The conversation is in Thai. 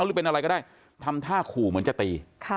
หรือเป็นอะไรก็ได้ทำท่าขู่เหมือนจะตี